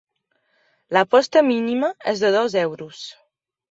La posta mínima és de dos euros.